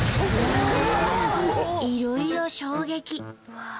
いろいろ衝撃。